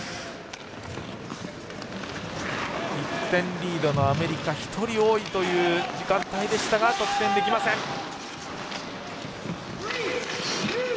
１点リードのアメリカ１人、多いという時間帯でしたが得点できません。